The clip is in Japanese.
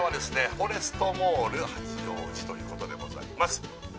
フォレストモール八王子ということでございます